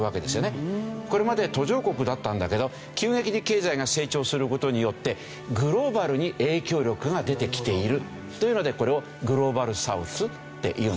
これまで途上国だったんだけど急激に経済が成長する事によってグローバルに影響力が出てきているというのでこれをグローバルサウスっていうんですね。